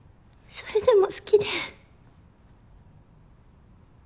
それでも好きで。